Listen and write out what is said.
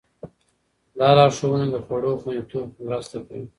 دا لارښوونې د خوړو خوندیتوب کې مرسته کوي.